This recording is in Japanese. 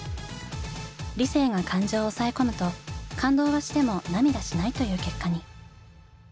理性が感情を抑え込むと感動はしても涙しないという結果に。